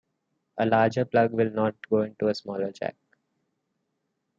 A larger plug will not go into a smaller jack.